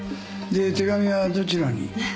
で手紙はどちらに？